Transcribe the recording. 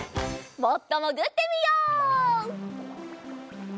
もっともぐってみよう。